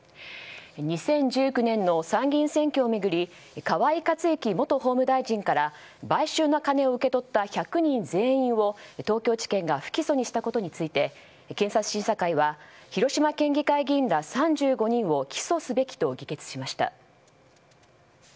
２０１９年の参議院選挙を巡り河井克行元法務大臣から買収の金を受け取った１００人全員を東京地検が不起訴にしたことについて検察審査会は広島県会議員ら３５人を起訴すべきと議決しました。